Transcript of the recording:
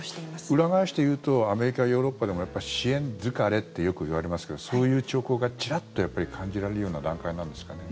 裏返して言うとアメリカ、ヨーロッパでも支援疲れってよくいわれますけどそういう兆候がちらっと感じられるような段階なんですかね。